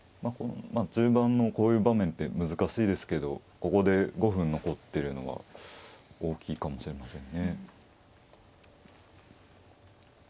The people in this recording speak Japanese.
中盤のこういう場面で難しいですけどここで５分残ってるのは大きいかもしれませんね。